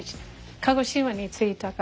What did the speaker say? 鹿児島に着いたから。